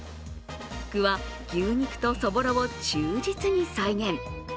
具は牛肉とそぼろを忠実に再現。